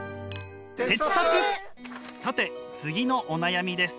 さて次のお悩みです。